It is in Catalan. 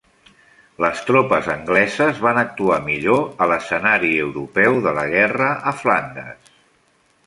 Les tropes angleses van actuar millor a l'escenari europeu de la guerra a Flandes.